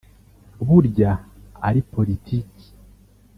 burya ari politiki